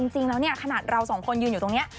จริงแล้วเนี่ยขนาดเราสองคนยืนอยู่ตรงนี้